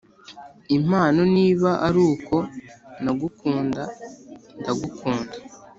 impano niba aruko nagukunda ndagukunda;